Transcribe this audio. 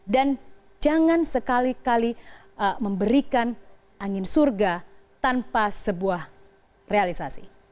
dan jangan sekali kali memberikan angin surga tanpa sebuah realisasi